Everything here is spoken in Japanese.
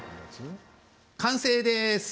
完成です。